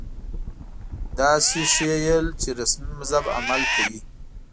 داسې ښييل چې رسمي مذهب عمل کوي